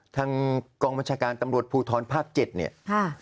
ทางกลองบัญชาการตำรวจภูทรภาพเจ็ดเนี่ยอ่า